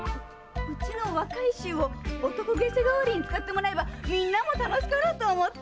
うちの若い衆を男芸者代わりに使ってもらえばみんなも楽しかろうと思って。